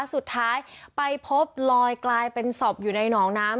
สุดท้ายไปพบลอยกลายเป็นศพอยู่ในหนองน้ำ